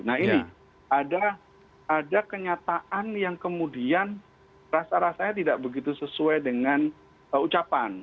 nah ini ada kenyataan yang kemudian rasa rasanya tidak begitu sesuai dengan ucapan